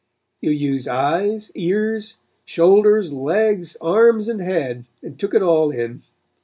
You used eyes, ears, shoulders, legs, arms and head and took it all in.